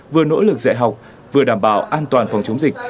vừa nỗ lực dạy học vừa đảm bảo an toàn phòng chống dịch